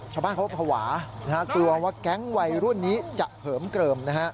ชาวบ้านเขาภาวะกลัวว่าแก๊งวัยรุ่นนี้จะเหิมเกลิมนะฮะ